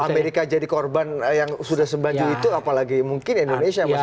kalau amerika jadi korban yang sudah sebanjur itu apalagi mungkin indonesia masyarakat